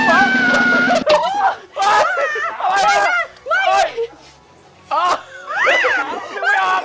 ยังไม่ออก